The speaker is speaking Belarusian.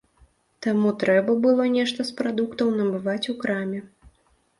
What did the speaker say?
Таму трэба было нешта з прадуктаў набываць у краме.